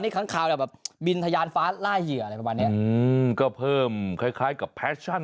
นี้ค้าข่าวบินทะยานฟ้าไล่เหลือใจประมาณนี้ก็เพิ่มคล้าย